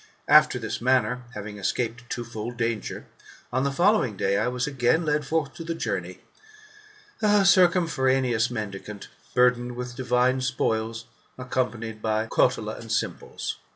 After this manner, having escaped a twofold danger, on the following day I was again led forth to the journey, a circumforaneous mendicant, burdened with divine spoils, accompanied by crotala and cymbals.